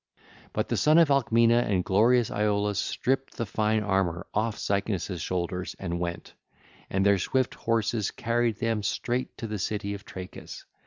(ll. 467 471) But the son of Alcmena and glorious Iolaus stripped the fine armour off Cycnus' shoulders and went, and their swift horses carried them straight to the city of Trachis.